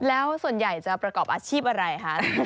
แล้วส่วนใหญ่จะประกอบอาชีพอะไรคะ